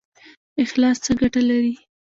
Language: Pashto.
اخلاص څه ګټه لري؟